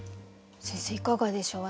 先生いかがでしょう？